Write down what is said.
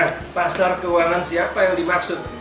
nah pasar keuangan siapa yang dimaksud